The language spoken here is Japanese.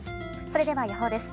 それでは予報です。